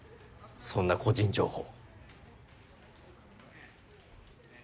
そんな個人情報。